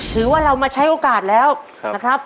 ถือว่าเรามาใช้โอกาสแล้วนะครับ